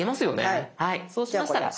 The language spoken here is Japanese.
はいそうしましたら。